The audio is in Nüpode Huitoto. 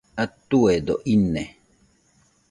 Atuedo ine